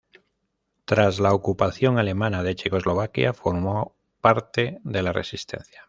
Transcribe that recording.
Tras la ocupación alemana de Checoslovaquia, formó parte de la resistencia.